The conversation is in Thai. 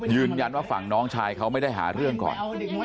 ฝั่งน้องชายเขาไม่ได้หาเรื่องก่อน